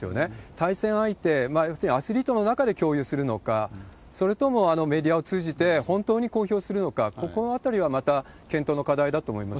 対戦相手、要するにアスリートの中で共有するのか、それともメディアを通じて、本当に公表するのか、ここのあたりはまた検討の課題だと思いますね。